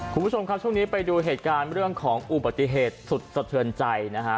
คุณผู้ชมครับช่วงนี้ไปดูเหตุการณ์เรื่องของอุบัติเหตุสุดสะเทือนใจนะฮะ